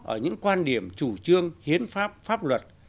ở những quan điểm chủ trương hiến pháp pháp luật